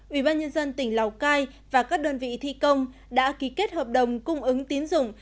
ubnd tỉnh lào cai và các đơn vị thi công đã ký kết hợp đồng cung ứng tiến dụng